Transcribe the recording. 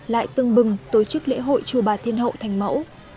lại tương bừng tổ chức lễ hội chùa bà thiên hậu thánh mẫu